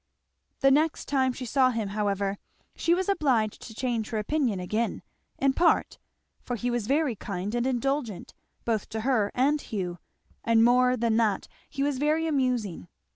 The next time she saw him however, she was obliged to change her opinion again, in part; for he was very kind and indulgent, both to her and Hugh; and more than that he was very amusing.